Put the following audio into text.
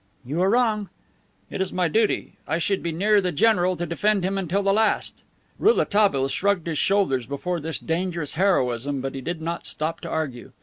"You are wrong." "It is my duty. I should be near the general to defend him until the last." Rouletabille shrugged his shoulders before this dangerous heroism, but he did not stop to argue.